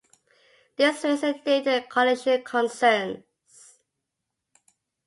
This raises data collision concerns.